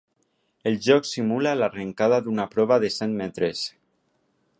El joc simula l’arrencada d’una prova de cent metres.